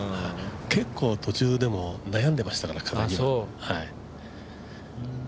結構、途中でも悩んでましたから、彼。